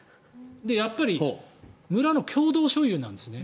やっぱり村の共同所有なんですね。